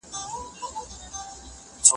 د بدن د وزن زیاتوالی د خوړو وخت سره تړاو لري.